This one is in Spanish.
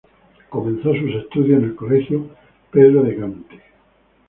Comenzó sus estudios en el Colegio Pedro de Gante.